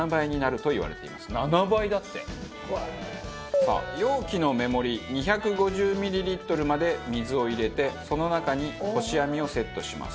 さあ容器の目盛り２５０ミリリットルまで水を入れてその中にこし網をセットします。